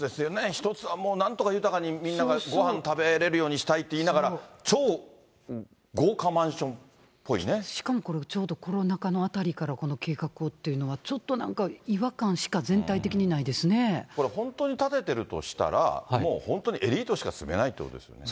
一つはもうなんとか豊かに、みんながごはん食べれるようにしたいって言いながら、超豪華マンしかもこれ、ちょうどコロナ禍のあたりからこの計画をっていうのは、ちょっとなんか違和感しか、これ本当に建ててるとしたら、もう本当にエリートしか住めないということですね。